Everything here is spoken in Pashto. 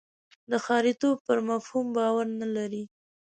د ښاریتوب پر مفهوم باور نه لري.